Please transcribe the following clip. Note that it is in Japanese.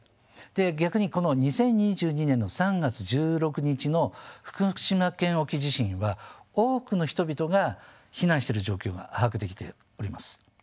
で逆にこの２０２２年の３月１６日の福島県沖地震は多くの人々が避難してる状況が把握できております。